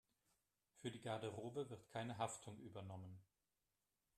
Für die Garderobe wird keine Haftung übernommen.